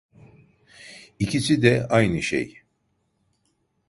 İkisi de aynı şey.